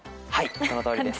そのとおりです。